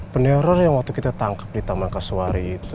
peneror yang waktu kita tangkep di taman kasuari itu